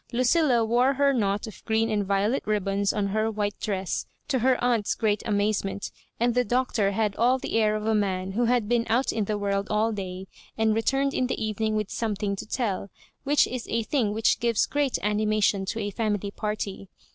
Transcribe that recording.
Lucilla wore her knot of green and violet ribbons on her white dress, to her aunt's great amazement, and the Doctor had all the air of a man who had been out in the world all day and returned in the evening with something to tell — which is a thing which gives great anima tion to a lamily party.